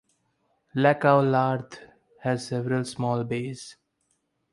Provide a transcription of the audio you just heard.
Lac au Lard has several small bays.